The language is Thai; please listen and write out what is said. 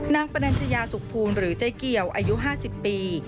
นางประดันจยาสุขภูมิหรือเจ้าเกี่ยวอายุ๕๐ปี